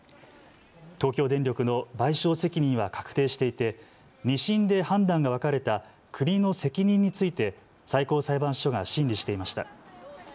東京電力の賠償責任は確定していて２審で判断が分かれた国の責任について最高裁判所が審理していました。